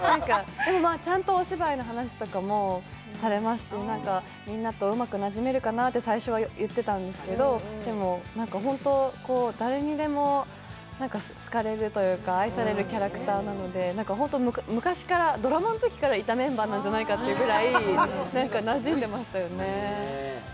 ちゃんとお芝居の話とかもされますしみんなとうまくなじめるかなって最初は言ってたんですけどでも、ホント誰にでも好かれるというか、愛されるキャラクターなので、昔から、ドラマのときからいたメンバーなんじゃないかというぐらいなじんでましたよね。